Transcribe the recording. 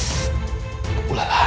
satu orang udah kalah